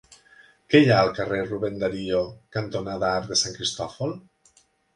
Què hi ha al carrer Rubén Darío cantonada Arc de Sant Cristòfol?